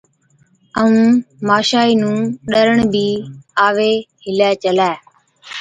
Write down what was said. ائُون ماشائِي نُون ڏَرڻ بِي آوي هِلَي چلَي۔